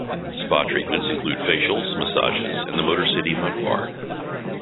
Spa treatments include facials, massages, and the MotorCity Mud Bar.